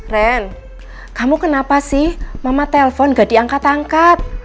ren kamu kenapa sih mama telpon gak diangkat angkat